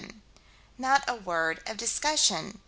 Not a word of discussion.